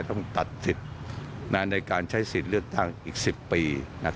ต้องตัดสิทธิ์ในการใช้สิทธิ์เลือกตั้งอีก๑๐ปี